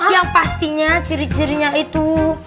yang pastinya ciri cirinya itu